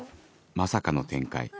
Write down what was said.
まさかの展開